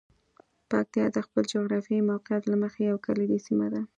پکتیا د خپل جغرافیايي موقعیت له مخې یوه کلیدي سیمه ده.